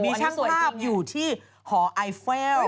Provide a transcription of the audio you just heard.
มีช่างภาพอยู่ที่หอไอเฟล